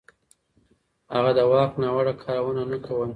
هغه د واک ناوړه کارونه نه کول.